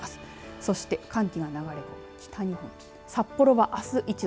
そして寒気の流れも北日本札幌はあす１度。